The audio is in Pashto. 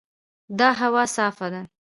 دا هوا صافه ده.